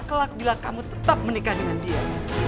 kelak bila kamu tetap menikah dengan dia